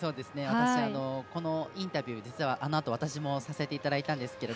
私、インタビューあのあと私もさせていただいたんですけど。